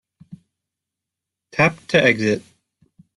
Tap to exit.